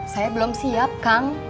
saya belum siap kang